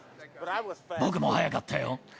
僕も速かったよ。